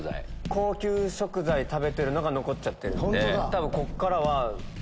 高級食材食べてるのが残っちゃってるんで。